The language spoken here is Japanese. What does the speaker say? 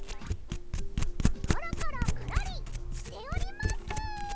コロコロコロリしております！